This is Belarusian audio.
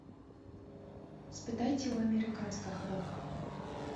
Спытайце ў амерыканскага боку.